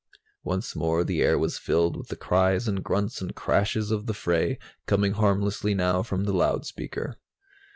Once more the air was filled with the cries and grunts and crashes of the fray, coming harmlessly now from the loudspeaker.